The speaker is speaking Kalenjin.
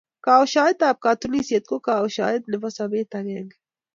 koashoet ab katunisiet ko koashoet Nebo Sabet agenge